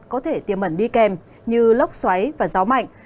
có thể tiềm ẩn đi kèm như lốc xoáy và gió mạnh